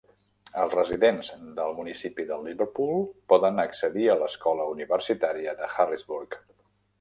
Els residents del municipi de Liverpool poden accedir a l'Escola Universitària de Harrisburg.